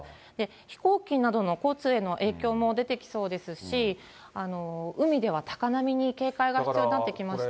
飛行機などの交通への影響も出てきそうですし、海では高波に警戒が必要になってきまして。